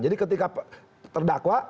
jadi ketika terdakwa